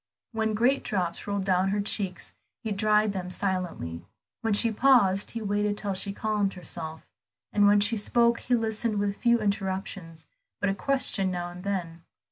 When great drops rolled down her cheeks he dried them silently; when she paused, he waited till she calmed herself; and when she spoke he listened with few interruptions but a question now and then.